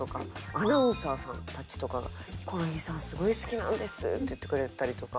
アナウンサーさんたちとかが「ヒコロヒーさんすごい好きなんです」って言ってくれたりとか。